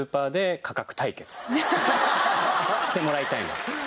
してもらいたいな。